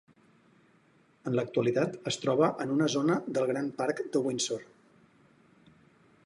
En l'actualitat es troba en una zona del gran parc de Windsor.